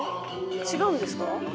違うんですか？